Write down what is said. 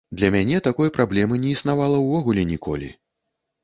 Для мяне такой праблемы не існавала ўвогуле ніколі.